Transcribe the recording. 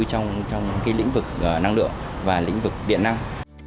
trong lĩnh vực năng lượng và lĩnh vực điện năng